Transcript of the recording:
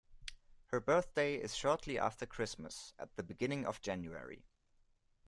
Her birthday is shortly after Christmas, at the beginning of January